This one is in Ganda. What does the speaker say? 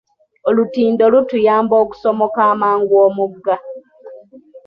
Olutindo lutuyamba okusomoka amangu omugga.